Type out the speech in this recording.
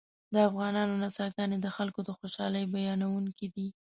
د افغانانو نڅاګانې د خلکو د خوشحالۍ بیانوونکې دي